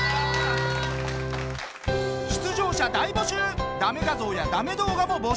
出場者大募集！